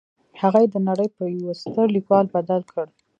هغه يې د نړۍ پر يوه ستر ليکوال بدل کړ.